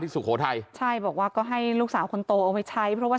สุโขทัยใช่บอกว่าก็ให้ลูกสาวคนโตเอาไว้ใช้เพราะว่า